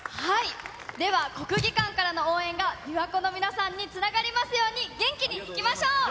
では、国技館からの応援がびわ湖の皆さんにつながりますように、元気にいきましょう。